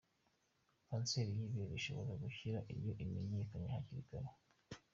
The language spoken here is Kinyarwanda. Kanseri y’ibere ishbora gukira iyo imenyekanye hakiri kare.